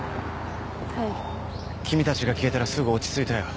はい君たちが消えたらすぐ落ち着いたよ